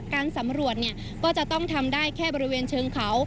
การสำรวจก็จะต้องทำได้แค่บริเวณเชิงเขา